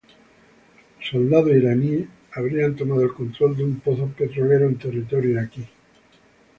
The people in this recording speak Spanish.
Soldados iraníes habrían tomado el control de un pozo petrolero en territorio iraquí.